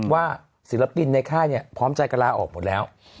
ศิลปินในค่ายพร้อมใจกันลาออกหมดแล้ว